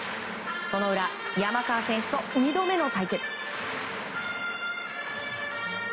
その裏山川選手と２度目の対決。